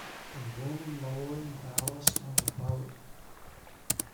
A woman lowering ballast on a boat.